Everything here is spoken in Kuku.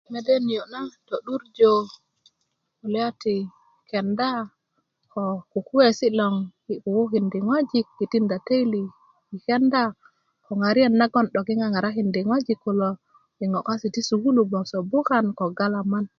mede niyo na to'durjä kulya ti kenda ko kukuyesi loŋ kukukindi ŋoijik i tinda täli i kenda ko ŋariyet naŋ 'dok i ŋaŋarakindi ŋojik kulo i ŋo kase ti sukulu gboso 'bukan ko galaman